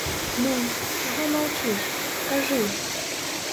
Ну, чаго маўчыш, кажы.